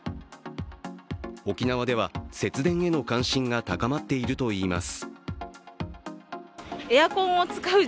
沖縄では節電への関心が高まっているといいます。